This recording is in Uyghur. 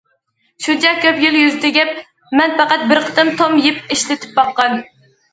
شۇنچە كۆپ يىل يۈز تىكىپ، مەن پەقەت بىر قېتىم توم يىپ ئىشلىتىپ باققان.